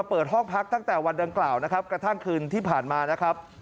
เปิดห้องพักตั้งแต่วันดังกล่าวนะครับกระทั่งคืนที่ผ่านมานะครับ